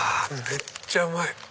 めっちゃうまい！